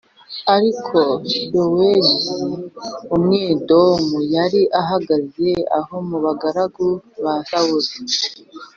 Ariko Dowegi Umwedomu yari ahagaze aho mu bagaragu ba Sawuli